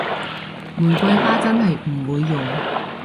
玫瑰花真係唔會用